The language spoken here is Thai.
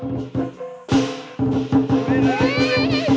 มันมีชื่อวิทย์